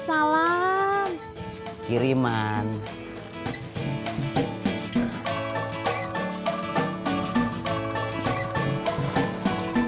masih belum pakai merek